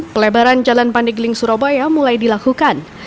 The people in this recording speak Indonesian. pelebaran jalan pandegling surabaya mulai dilakukan